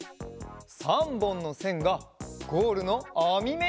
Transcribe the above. ３ぼんのせんがゴールのあみめになってる！